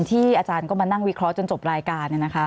ที่อาจารย์ก็มานั่งวิเคราะห์จนจบรายการ